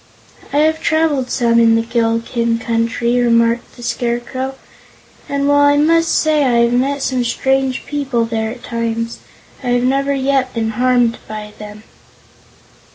"I have traveled some in the Gillikin Country," remarked the Scarecrow, "and while I must say I have met some strange people there at times, I have never yet been harmed by them."